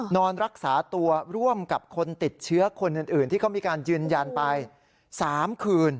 นอนรักษาตัวร่วมกับคนติดเชื้อคนอื่นที่เขามีการยืนยันไป๓คืน